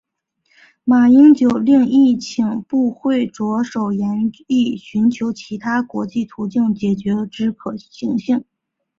马英九另亦请部会着手研议寻求其他国际途径解决之可行性。